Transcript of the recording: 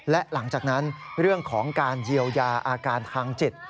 และหลังจากนั้นเรื่องของการเยียวยาอาการทางจิต